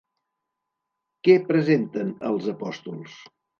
Què presenten els apòstols?